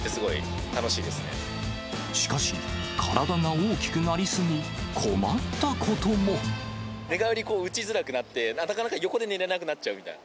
しかし、体が大きくなりすぎ、寝返り、こう打ちづらくなって、なかなか横で寝れなくなっちゃうみたいな。